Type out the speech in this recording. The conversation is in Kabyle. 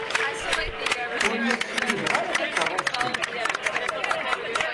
Ur la ssirideɣ ara takeṛṛust-ik.